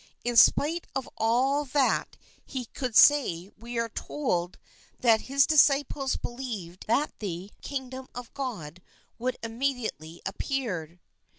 In spite of all that he could say we are told that :. INTRODUCTION his disciples believed that the Kingdom of God would immediately appear.